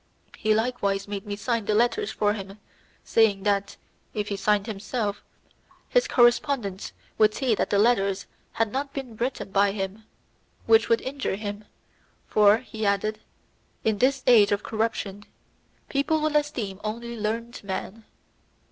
He likewise made me sign the letters for him, saying, that, if he signed himself, his correspondents would see that the letters had not been written by him, which would injure him, for, he added, in this age of corruption, people will esteem only learned men.